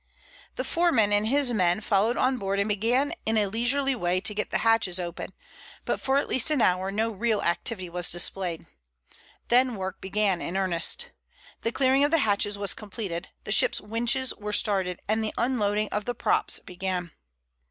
The foreman and his men followed on board and began in a leisurely way to get the hatches open, but for at least an hour no real activity was displayed. Then work began in earnest. The clearing of the hatches was completed, the ship's winches were started, and the unloading of the props began.